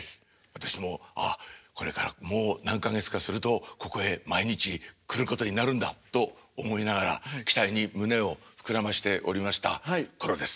私もああこれからもう何か月かするとここへ毎日来ることになるんだと思いながら期待に胸を膨らましておりました頃です。